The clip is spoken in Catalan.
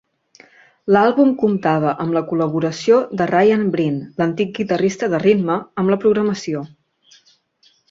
L'àlbum comptava amb la col·laboració de Ryan Breen, l'antic guitarrista de ritme, amb la programació.